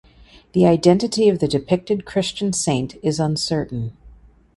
The identity of the depicted Christian Saint is uncertain.